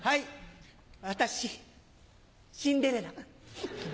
私シンデレラ。